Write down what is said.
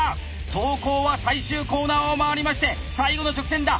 ⁉走行は最終コーナーを回りまして最後の直線だ！